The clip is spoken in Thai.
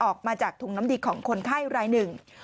ออกมาจากถุงน้ำดีของคนไข้รายหนึ่ง